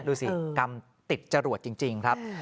ดูสิกรรมติดจรวดจริงครับ